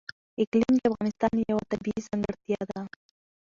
اقلیم د افغانستان یوه طبیعي ځانګړتیا ده.